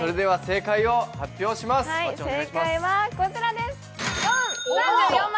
正解はこちらです！